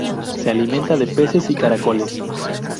Se alimenta de peces y caracoles.